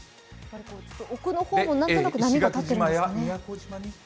奥の方も何となく波が立っていますね。